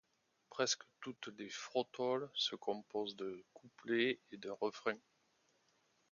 Presque toutes les frottoles se composent de couplets et d'un refrain.